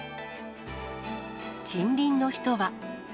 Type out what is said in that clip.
近隣の人は。